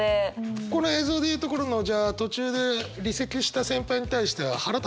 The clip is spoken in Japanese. この映像でいうところのじゃあ途中で離席した先輩に対しては腹立つ？